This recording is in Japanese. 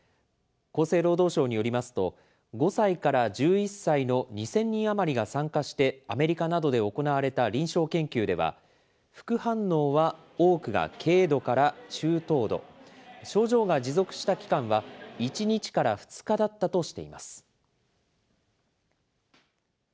厚生労働省によりますと、５歳から１１歳の２０００人余りが参加してアメリカなどで行われた臨床研究では、副反応は多くが軽度から中等度、症状が持続した期間は、１日から２日だったとしています。